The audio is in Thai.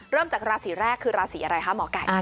จากราศีแรกคือราศีอะไรคะหมอไก่